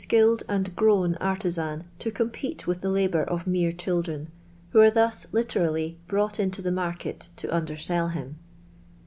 818 •killed mnd grown artizan to compete with the Uboar of mere children, who are thus literallj brought into the market to nndenell him